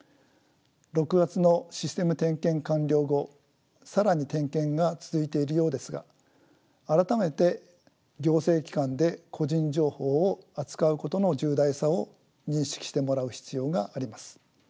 ６月のシステム点検完了後更に点検が続いているようですが改めて行政機関で個人情報を扱うことの重大さを認識してもらう必要があります。